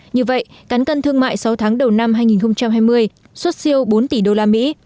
như vậy cán cân thương mại sáu tháng đầu năm hai nghìn hai mươi xuất siêu bốn tỷ đô la mỹ